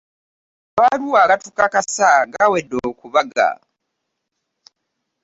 Amabaluwa agatukakasa gawedde okubaga.